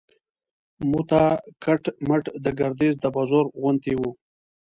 موته کټ مټ د ګردیز د بازار غوندې و.